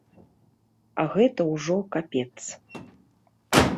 А гэта ўжо капец.